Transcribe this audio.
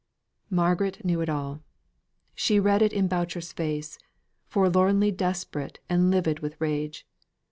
Margaret knew it all; she read it in Boucher's face, forlornly desperate and livid with rage.